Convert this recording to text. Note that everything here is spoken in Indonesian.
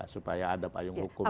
supaya ada payung hukum